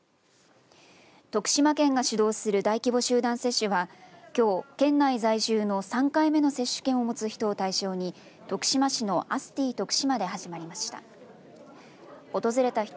徳島県が主導する大規模集団接種はきょう、県内在住の３回目の接種券を持つ人を対象に徳島市のアスティとくしまで始まりました。